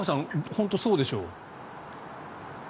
本当にそうでしょ？